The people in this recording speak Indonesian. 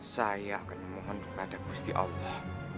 saya akan memohon kepada gusti allah